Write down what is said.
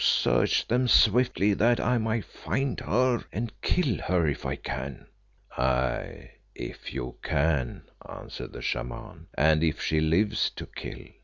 search them swiftly, that I may find her and kill her if I can." "Aye, if you can," answered the Shaman, "and if she lives to kill.